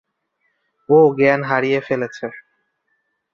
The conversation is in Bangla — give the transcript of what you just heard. ও জ্ঞান হারিয়ে ফেলেছে।